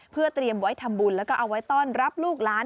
เพื่อเตรียมไว้ทำบุญแล้วก็เอาไว้ต้อนรับลูกหลาน